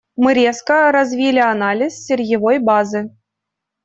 Мы резко развили анализ сырьевой базы.